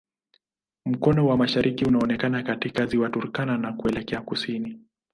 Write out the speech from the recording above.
Mkono wa mashariki unaonekana katika Ziwa Turkana na kuelekea kusini.